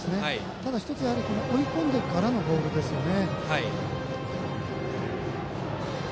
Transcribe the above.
ただ、１つ追い込んでからのボールですよね。